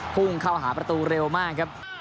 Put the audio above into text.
พุ่งเข้าหาประตูเร็วมากครับ